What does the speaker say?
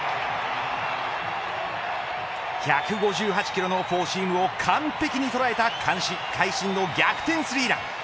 １５８キロのフォーシームを完璧に捉えた会心の逆転スリーラン。